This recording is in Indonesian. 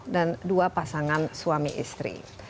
dan dua pasangan suami istri